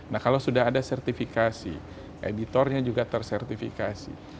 nah kalau sudah ada sertifikasi editornya juga tersertifikasi